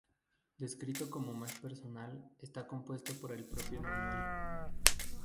Descrito como más personal, está compuesto por el propio Emmanuel.